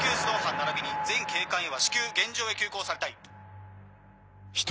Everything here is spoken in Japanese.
ならびに全警戒員は至急現場へ急行されたい。